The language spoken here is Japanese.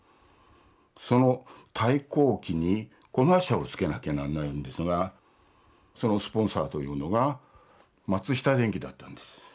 その「太閤記」にコマーシャルをつけなきゃならないんですがそのスポンサーというのが松下電器だったんです。